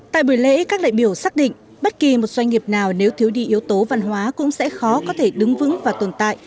tại buổi lễ các đại biểu xác định bất kỳ một doanh nghiệp nào nếu thiếu đi yếu tố văn hóa cũng sẽ khó có thể đứng vững và tồn tại